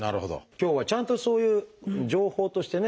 今日はちゃんとそういう情報としてね